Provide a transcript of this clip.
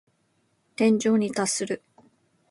天井に達する。